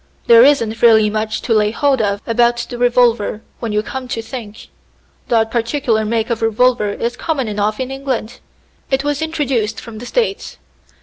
"There isn't really much to lay hold of about the revolver, when you come to think. That particular make of revolver is common enough in England. It was introduced from the States.